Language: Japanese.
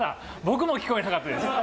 僕も聞こえなかったです